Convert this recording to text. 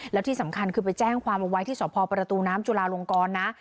แล้วที่สำคัญคือไปแจ้งความเอาไว้ที่สพประตูน้ำจุลาลงกรนะ